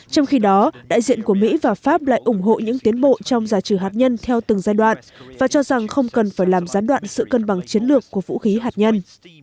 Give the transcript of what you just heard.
trong khi đó đại diện của mỹ và pháp lại ủng hộ những tiến bộ trong giải trừ hạt nhân theo từng giai đoạn và cho rằng không cần phải làm gián đoạn sự cân bằng chiến lược của vũ khí hạt nhân